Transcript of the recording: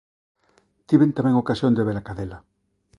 Tiven tamén ocasión de ver a cadela.